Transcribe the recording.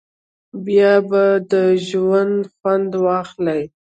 بیا به د ژونده خوند واخلی.